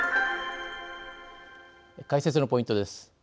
解説のポイントです。